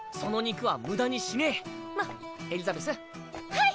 はい！